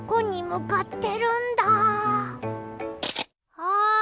あ！